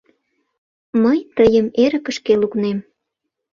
Мый тыйым эрыкышке лукнем.